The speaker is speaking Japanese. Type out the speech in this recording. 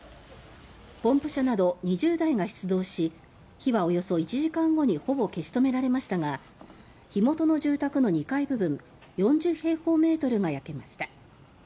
ポンプ車など２０台が出動し火はおよそ１時間後にほぼ消し止められましたが火元の住宅の２階部分４０平方メートルが焼けました。